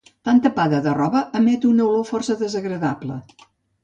Tan tapada de roba emet una olor força desagradable.